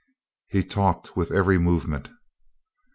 He talked with every movement.